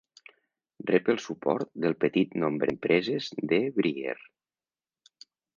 Rep el suport del petit nombre d'empreses de Brier.